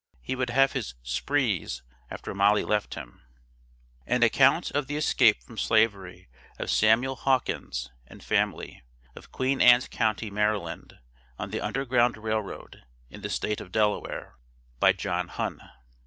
He would have his "sprees" after Molly left him. AN ACCOUNT OF THE ESCAPE FROM SLAVERY OF SAMUEL HAWKINS AND FAMILY, OF QUEEN ANNE'S COUNTY, MARYLAND, ON THE UNDERGROUND RAIL ROAD, IN THE STATE OF DELAWARE. BY JOHN HUNN.